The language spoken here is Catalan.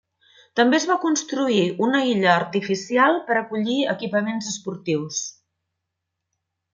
També es va construir una illa artificial per acollir equipaments esportius.